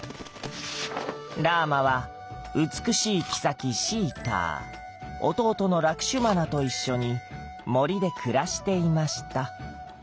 ラーマは美しいきさきシーター弟のラクシュマナと一緒に森で暮らしていました。